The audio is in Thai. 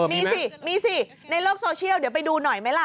มีสิมีสิในโลกโซเชียลเดี๋ยวไปดูหน่อยไหมล่ะ